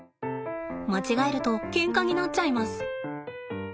間違えるとケンカになっちゃいます。